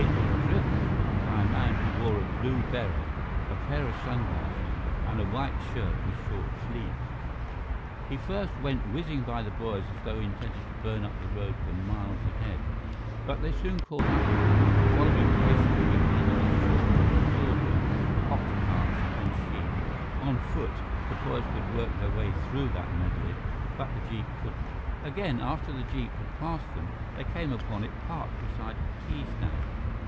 It was driven by a man who wore a blue beret, a pair of sunglasses, and a white shirt with short sleeves. He first went whizzing by the boys as though he intended to burn up the road for miles ahead, but they soon caught up with him, following patiently behind an assortment of pilgrims, ox carts, and sheep. On foot, the boys could work their way through that medley, but the jeep couldn't. Again, after the jeep had passed them, they came upon it parked beside a tea stand.